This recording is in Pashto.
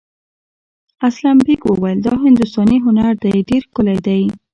اسلم بېگ وویل دا هندوستاني هنر دی ډېر ښکلی دی.